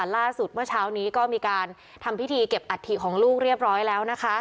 ล่าสุดเมื่อเช้านี้ก็มีการทำพิธีเก็บอัตภิกษ์ของลูกเรียบร้อยแล้ว